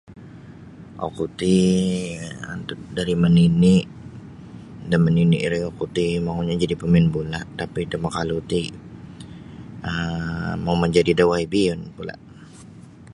oku ti antad dari manini' damanini' ri oku ti maunyo jadi pamain bola' tapi da makalu ti um mau majadi da YB pula